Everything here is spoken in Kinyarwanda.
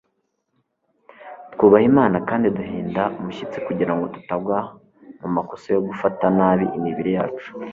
twubaha imana kandi duhinda umushyitsi kugira ngo tutagwa mu makosa yo gufata nabi imibiri yacu